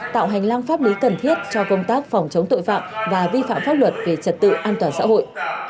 tạo hành lang pháp lý cần thiết cho công tác phòng chống tội phạm và vi phạm pháp luật về trật tự an toàn xã hội